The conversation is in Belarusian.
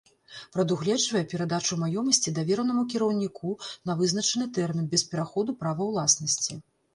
Прадугледжвае перадачу маёмасці давернаму кіраўніку на вызначаны тэрмін без пераходу права ўласнасці.